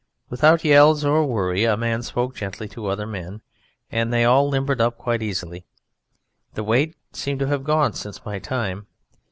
Without yells or worry a man spoke gently to other men, and they all limbered up, quite easily. The weight seemed to have gone since my time.